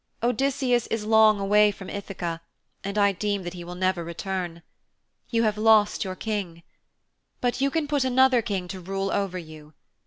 Odysseus is long away from Ithaka, and I deem that he will never return. You have lost your King. But you can put another King to rule over you.